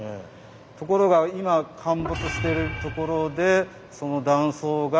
ところが今陥没してるところでその断層が。